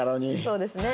そうですね。